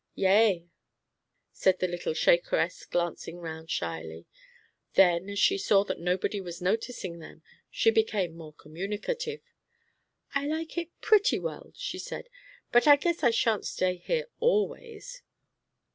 "Yea," said the little Shakeress, glancing round shyly. Then as she saw that nobody was noticing them, she became more communicative. "I like it pretty well," she said. "But I guess I shan't stay here always."